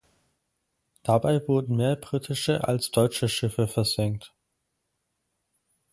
Dabei wurden mehr britische als deutsche Schiffe versenkt.